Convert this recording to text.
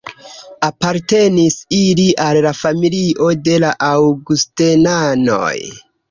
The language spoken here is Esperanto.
Apartenis ili al la familio de la Aŭgustenanoj.